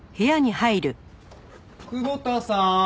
久保田さーん？